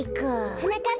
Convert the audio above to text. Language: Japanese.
はなかっ